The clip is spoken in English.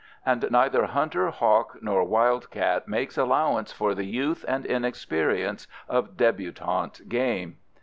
And neither hunter, hawk, nor wildcat makes allowances for the youth and inexperience of debutante game.